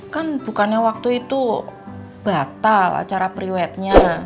kan bukannya waktu itu batal acara priwetnya